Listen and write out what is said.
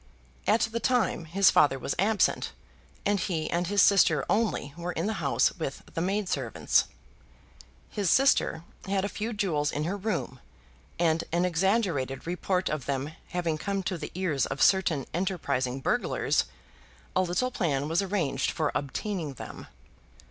At the time his father was absent, and he and his sister only were in the house with the maid servants. His sister had a few jewels in her room, and an exaggerated report of them having come to the ears of certain enterprising burglars, a little plan was arranged for obtaining them.